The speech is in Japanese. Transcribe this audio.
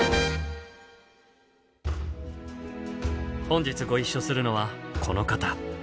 本日ご一緒するのはこの方。